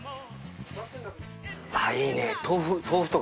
ああいいね。